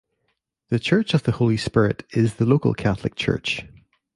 The Church of the Holy Spirit is the local Catholic church.